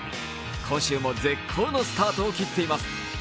今週も絶好のスタートを切っています。